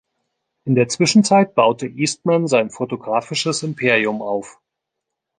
In der Zwischenzeit baute Eastman sein fotografisches Imperium auf.